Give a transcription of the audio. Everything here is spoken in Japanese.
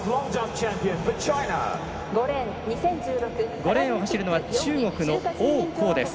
５レーンを走るのは中国の王浩。